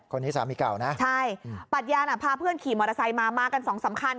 คนนี้สามีเก่านะใช่ปัญญาน่ะพาเพื่อนขี่มอเตอร์ไซค์มามากันสองสามคัน